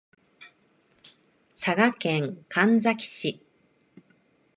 佐賀県神埼市